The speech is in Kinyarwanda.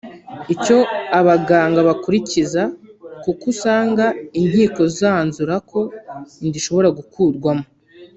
Icyo abaganga bakurikiza kuko usanga inkiko zanzura ko inda ishobora gukurwamo